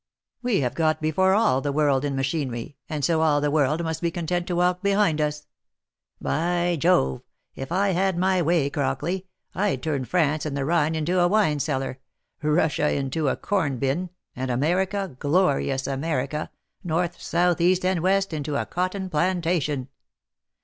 We have got before all the world in ma chinery, and so all the world must be content to walk behind us. By Jove, if I had my way, Crockley, I'd turn France and the Rhine into a wine cellar, Russia into a corn bin, and America, glorious America, north, south, east, and west, into a cotton plantation.